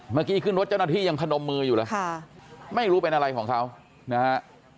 เมื่อกี้ขึ้นรถเจ้าหน้าที่ยังพนมมืออยู่เลยค่ะไม่รู้เป็นอะไรของเขานะฮะ